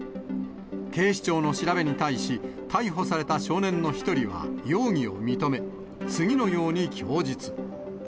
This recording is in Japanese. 警視庁の調べに対し、逮捕された少年の１人は容疑を認め、次のように供述。